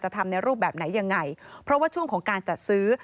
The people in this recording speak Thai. ทำในรูปแบบไหนยังไงเพราะว่าช่วงของการจัดซื้อ